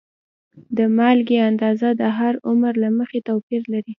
د مالګې اندازه د هر عمر له مخې توپیر لري.